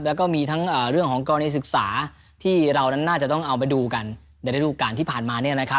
แล้วก็มีทั้งเรื่องของกรณีศึกษาที่เราน่าจะต้องเอาไปดูกันในรูปการณ์ที่ผ่านมาเนี่ยนะครับ